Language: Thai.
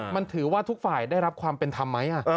มันถือว่าทุกฝ่ายได้รับความเป็นธรรมไหม